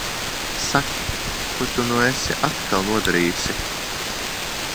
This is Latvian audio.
Saki, ko tu nu esi atkal nodarījusi?